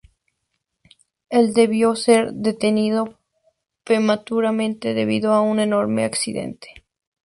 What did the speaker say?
El debió ser detenido prematuramente debido a un enorme accidente.